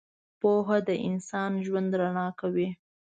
• پوهه د انسان ژوند رڼا کوي.